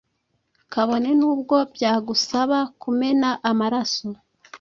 kabone n’ubwo byagusaba kumena amaraso.